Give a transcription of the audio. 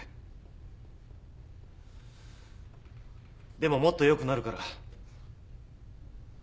でももっとよくなるから。